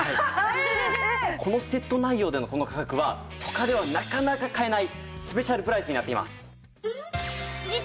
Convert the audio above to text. このセット内容でのこの価格は他ではなかなか買えないスペシャルプライスになっています。